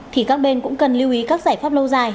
thì các bên cũng cần lưu ý các giải pháp lâu dài